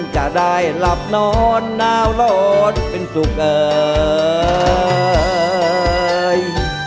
จะได้หลับนอนหนาวร้อนเป็นสุขเอ่ย